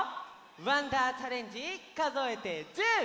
「わんだーチャレンジかぞえて１０」！